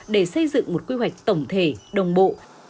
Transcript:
để xây dựng một quy hoạch tổng thể đồng bộ